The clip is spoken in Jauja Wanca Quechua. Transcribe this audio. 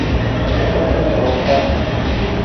Katatam awapaakun .